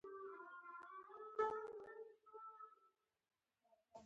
د طب محصل باید هم علمي او هم انساني وي.